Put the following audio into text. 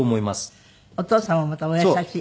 お父様もまたお優しい。